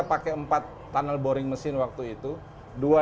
hanya karena anak anak juga keluar kontra